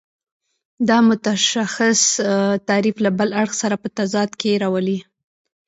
دا متشخص تعریف له بل اړخ سره په تضاد کې راولي.